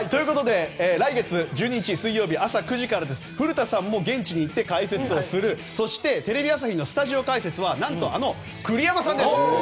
来月１２日、水曜朝９時から古田さんも現地に行って解説をするそして、テレビ朝日のスタジオ解説は何と栗山さんです。